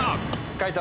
解答